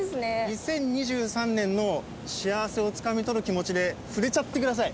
２０２３年の幸せをつかみ取る気持ちで触れちゃってください。